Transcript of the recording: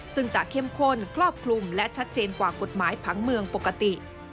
ซึ่งจะเข้มข้นครอบคลุมและชัดเจนกว่ากฎหมายผังเมืองปกติ